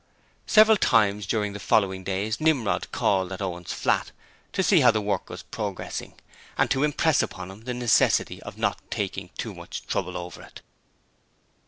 Several times during the following days Nimrod called at Owen's flat to see how the work was progressing and to impress upon him the necessity of not taking too much trouble over it.